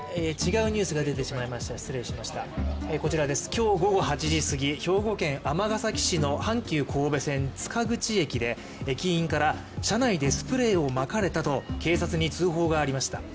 今日午後８時すぎ、兵庫県尼崎市の阪急神戸線塚口駅で、駅員から車内でスプレーをかかれたと警察に通報がありました。